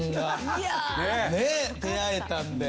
出会えたんで。